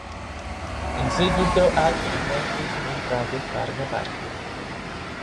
In seguito altri membri sono entrati a farne parte.